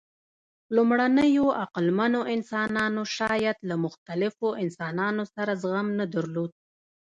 لومړنیو عقلمنو انسانانو شاید له مختلفو انسانانو سره زغم نه درلود.